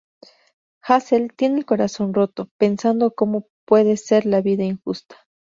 Hazel tiene el corazón roto, pensando cómo puede ser la vida injusta.